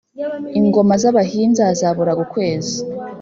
Ingoma z’Abahinza zaburaga ukwezi